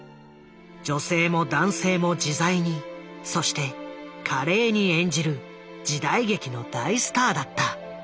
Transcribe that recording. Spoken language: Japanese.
女性も男性も自在にそして華麗に演じる時代劇の大スターだった。